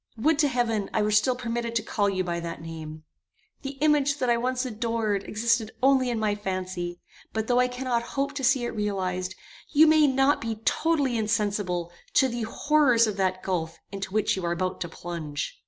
would to heaven I were still permitted to call you by that name. The image that I once adored existed only in my fancy; but though I cannot hope to see it realized, you may not be totally insensible to the horrors of that gulf into which you are about to plunge.